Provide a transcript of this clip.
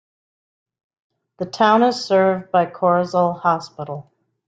The town is served by Corozal Hospital.